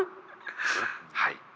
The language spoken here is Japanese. はい。